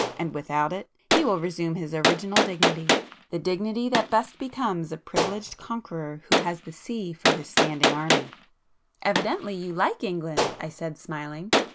And without it, he will resume his original dignity;—the dignity that best becomes a privileged conqueror who has the sea for his standing army." "Evidently you like England!" I said smiling.